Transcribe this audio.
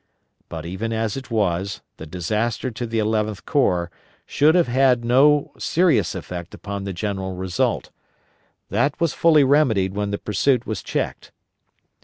But even as it was, the disaster to the Eleventh Corps should have had no serious effect upon the general result. That was fully remedied when the pursuit was checked.